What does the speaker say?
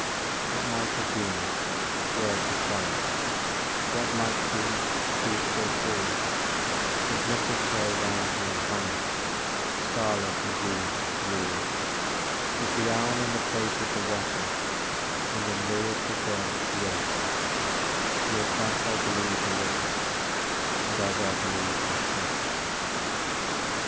What might have been! words of folly; What might be! speech for a fool; With mistletoe round me, and holly, Scarlet and green, at Yule. With the elm in the place of the wattle, And in lieu of the gum, the oak, Years back I believed a little, And as I believed I spoke.